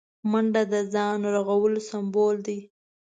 منډه د ځان رغولو سمبول دی